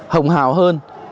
hồng hào hơn